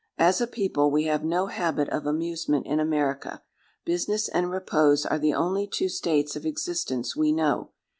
As a people, we have no habit of amusement in America. Business and repose are the only two states of existence we know.